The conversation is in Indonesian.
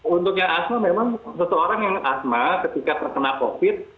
untuk yang asma memang seseorang yang asma ketika terkena covid